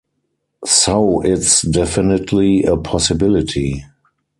So it's definitely a possibility.